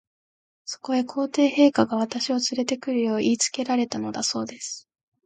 そこへ、皇帝陛下が、私をつれて来るよう言いつけられたのだそうです。